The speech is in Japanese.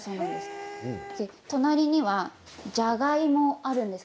隣には、じゃがいもがあります。